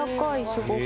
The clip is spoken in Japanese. すごく。